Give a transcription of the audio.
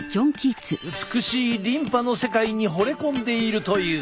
美しいリンパの世界にほれ込んでいるという。